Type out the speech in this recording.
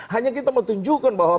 hanya kita menunjukkan bahwa